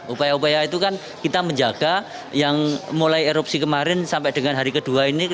upaya upaya itu kan kita menjaga yang mulai erupsi kemarin sampai dengan hari kedua ini